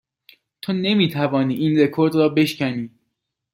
تو نمی توانی این رکورد را بشکنی.